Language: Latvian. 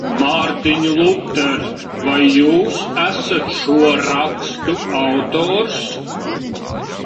Mārtiņ Luter, vai jūs esat šo rakstu autors?